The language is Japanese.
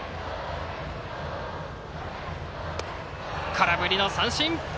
空振りの三振！